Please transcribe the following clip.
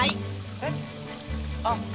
えっ？ああ。